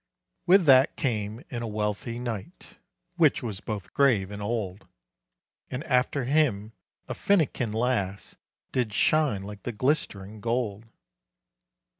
With that came in a wealthy knight, Which was both grave and old, And after him a finikin lass, Did shine like the glistering gold.